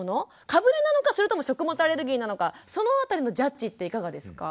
かぶれなのかそれとも食物アレルギーなのかその辺りのジャッジっていかがですか？